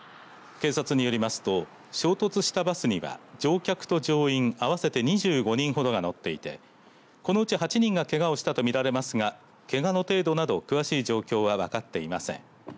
警察によりますと衝突したバスには乗客と乗員合わせて２５人ほどが乗っていてこのうち８人がけがをしたと見られますがけがの程度など詳しい状況は分かっていません。